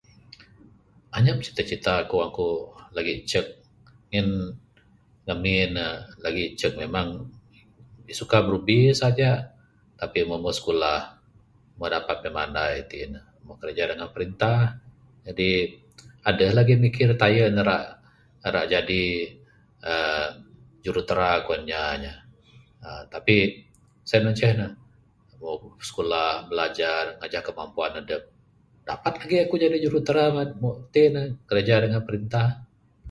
Anyap cita-cita ku wang ku legi icek, ngin ngemin ne legi icek memang suka birubi saja. Tapi membeh sikulah moh dapat pimandai iti ne moh kiraja dengan printah. Jadi adeh legi mikir dak taye ne ira jadi uhh jurutera kuan inya nyah, tapi sien mah ceh boh sikulah bilajar ngajah kemampuan adep dapat legi ku jadi jurutera mung t kirja dengan printah.